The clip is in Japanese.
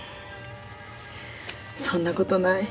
そんなことない。